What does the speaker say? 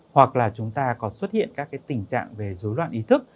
hoặc là chúng ta có xuất hiện các cái tình trạng về dối loạn ý thức